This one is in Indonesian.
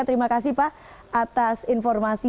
terima kasih pak atas informasi